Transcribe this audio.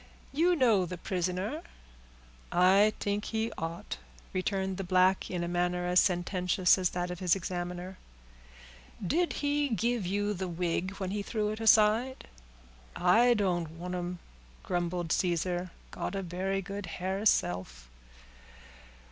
"You know the prisoner?" "I t'ink he ought," returned the black, in a manner as sententious as that of his examiner. "Did he give you the wig when he threw it aside?" "I don't want 'em," grumbled Caesar; "got a berry good hair heself."